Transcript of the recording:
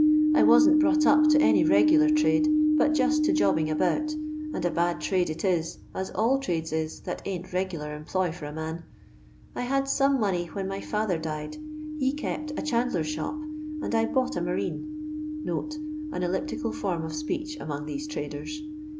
I wasn't brought up to any regular trade, but just to jobbing about, and a bad trade it is, as all trades is that ain't regular employ for a man. I had some money when my fiitber died — he kept a chandler's shop— and I bought a marine." [An elliptical form of speech among these traders.